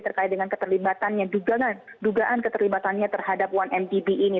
terkait dengan keterlibatannya dugaan keterlibatannya terhadap satu mdb ini